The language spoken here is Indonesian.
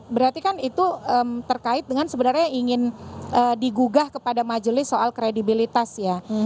berarti kan itu terkait dengan sebenarnya ingin digugah kepada majelis soal kredibilitas ya